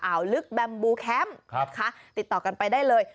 อ่าวลึกแบมบูแคมป์ติดต่อกันไปได้เลย